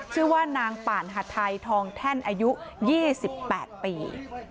ชื่อว่านางป่านหัดไทยทองแท่นอายุ๒๘ปี